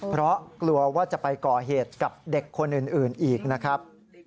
เพราะกลัวว่าจะไปก่อเหตุกับเด็กคนอื่นอีกนะครับ